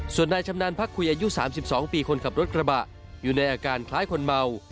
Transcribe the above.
ส่วนนายชำนาญพักคุยอายุ๓๒ปีคนขับรถกระบะอยู่ในอาการคล้ายคนเมา